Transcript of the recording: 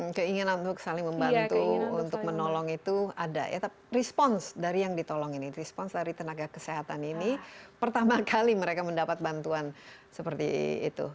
keinginan untuk saling membantu untuk menolong itu ada ya respons dari yang ditolong ini respons dari tenaga kesehatan ini pertama kali mereka mendapat bantuan seperti itu